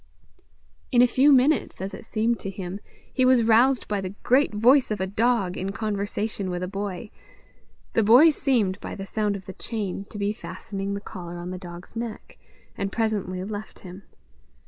In a few minutes, as it seemed to him, he was roused by the great voice of a dog in conversation with a boy: the boy seemed, by the sound of the chain, to be fastening the collar on the dog's neck, and presently left him.